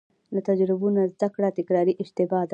له تجربو نه زده کړه تکراري اشتباه ده.